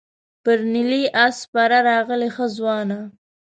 پر نیلي آس سپره راغلې ښه ځوانه.